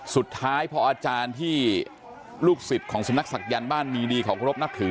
สุดท้ายพออาจารย์ที่ลูกศิษย์ของสำนักศักยันต์บ้านมีดีเขาเคารพนับถือ